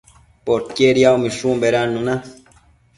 Poquied yacmishun bedannuna